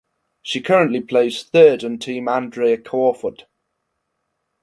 She currently plays third on Team Andrea Crawford.